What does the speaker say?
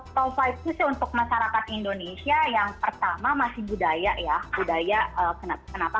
tow lima itu sih untuk masyarakat indonesia yang pertama masih budaya ya budaya kenapa